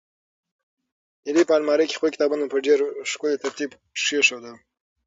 هیلې په المارۍ کې خپل کتابونه په ډېر ښکلي ترتیب کېښودل.